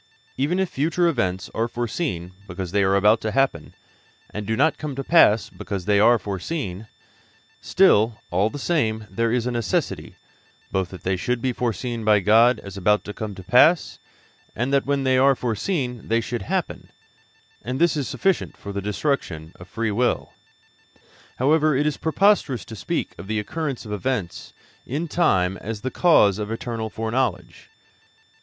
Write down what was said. Even if future events are foreseen because they are about to happen, and do not come to pass because they are foreseen, still, all the same, there is a necessity, both that they should be foreseen by God as about to come to pass, and that when they are foreseen they should happen, and this is sufficient for the destruction of free will. However, it is preposterous to speak of the occurrence of events in time as the cause of eternal foreknowledge.